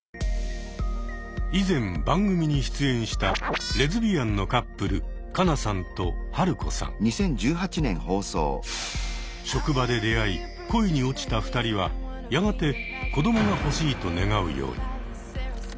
以前番組に出演したレズビアンのカップル職場で出会い恋に落ちた２人はやがて子どもが欲しいと願うように。